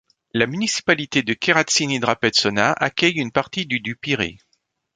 La municipalité de Keratsíni-Drapetsóna accueille une partie du du Pirée.